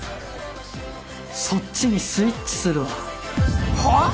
そっちにスイッチするわ。はあ！？